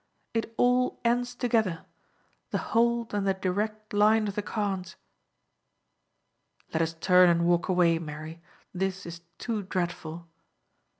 It all ends together, The Hold and the direct line of the Carnes." "Let us turn and walk away, Mary. This is too dreadful."